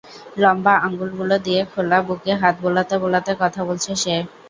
লম্বা আঙুলগুলো দিয়ে খোলা বুকে হাত বোলাতে বোলাতে কথা বলছে সে।